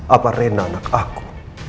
apa rena anak aku